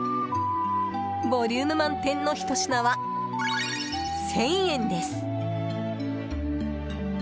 ボリューム満点のひと品は１０００円です。